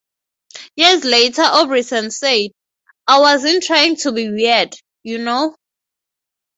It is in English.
Years later Orbison said, I wasn't trying to be weird, you know?